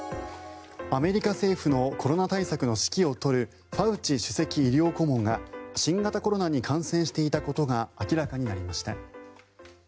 アメリカ政府のコロナ対策の指揮を執るファウチ首席医療顧問が新型コロナに感染していたことが明らかになりました。